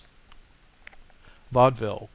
VAUDEVILLE VS.